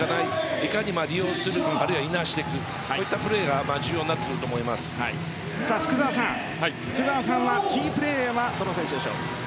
いかに利用するあるいはいなしていくそういったプレーが福澤さん福澤さんはキープレーはどの選手でしょう？